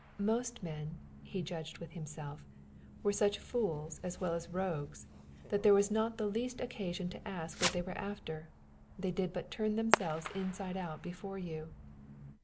Most men, he judged with himself, were such fools as well as rogues, that there was not the least occasion to ask what they were after: they did but turn themselves inside out before you!